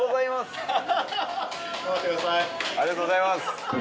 ありがとうございます。